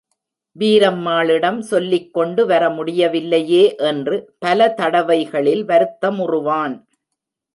வீரம்மாளிடம் சொல்லிக்கொண்டு வரமுடியவில்லையே என்று பல தடவைகளில் வருத்தமுறுவான்.